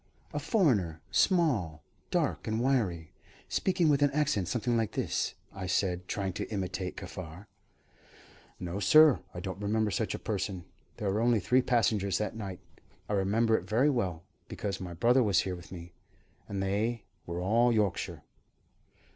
"A foreigner. Small, dark, and wiry, speaking with an accent something like this," I said, trying to imitate Kaffar. "No, sir, I don't remember such a person. There were only three passengers that night I remember it very well, because my brother was here with me and they were all Yorkshire."